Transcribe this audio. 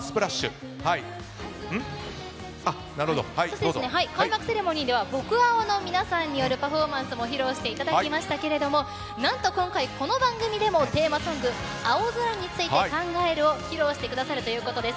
そして、開幕セレモニーでは僕青の皆さんによるパフォーマンスも披露していただきましたが何と、今回この番組でもテーマソング「青空について考える」を披露してくださるということです。